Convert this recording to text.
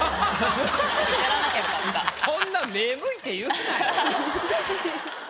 そんな目むいて言うなよ。